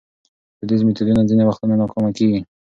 دودیز میتودونه ځینې وختونه ناکامه کېږي.